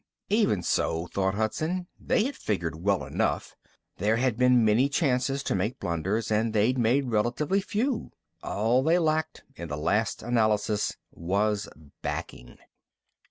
Even so, thought Hudson, they had figured well enough. There had been many chances to make blunders and they'd made relatively few. All they lacked, in the last analysis, was backing.